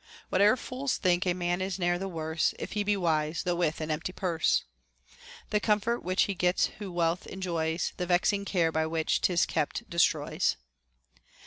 Whate'er fools think, a man is ne'er the worse If he be wise, though with an empty purse. The comfort which he gets who wealth enjoys, The vexing care by which 'tis kept destroys.